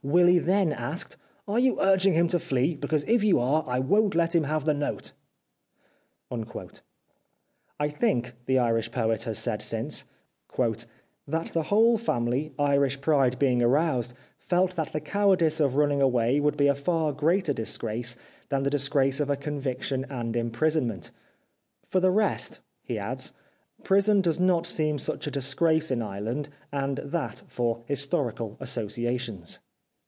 Willy then asked, ' Are you urging him to flee ? Because if you are, I won't let him have the note.' "^^" I think," the Irish poet has said since, that the whole family— Irish pride being aroused felt that the cowardice of running away would be a far greater disgrace than the disgrace of a conviction and imprisonment For the rest," he adds, " prison does not seem such a disgrace in Ireland, and that for historical associations."